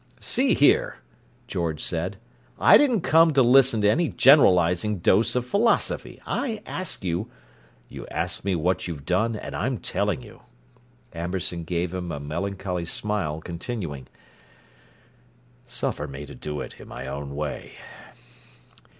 "See here," George said: "I didn't come to listen to any generalizing dose of philosophy! I ask you—" "You asked me what you've done, and I'm telling you." Amberson gave him a melancholy smile, continuing: "Suffer me to do it in my own way.